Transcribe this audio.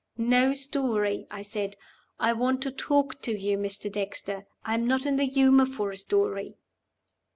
"No story," I said. "I want to talk to you, Mr. Dexter. I am not in the humor for a story."